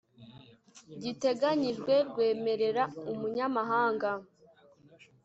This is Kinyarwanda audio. Giteganyijwe rwemerera umunyamahanga